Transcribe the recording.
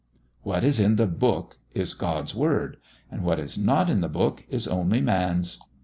"' What is in the Book is God's word: what is not in the Book is only man's."